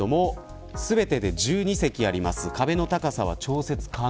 全てで１２席あります。